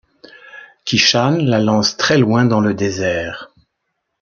Kishan la lance très loin dans le désert.